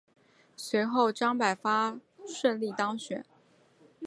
随后张百发顺利当选。